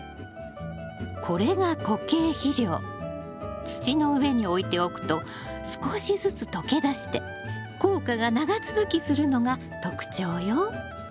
これが土の上に置いておくと少しずつ溶け出して効果が長続きするのが特徴よ。